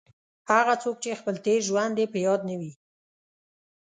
هغه څوک چې خپل تېر ژوند یې په یاد نه وي.